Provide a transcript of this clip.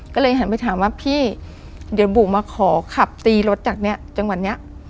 ก็เลยหันไปถามว่าพี่เดี๋ยวบุ๋มาขอขับตีรถจากเนี้ยจังหวัดนี้